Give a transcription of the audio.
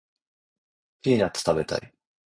ピーナッツ食べたい